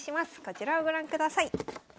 こちらをご覧ください。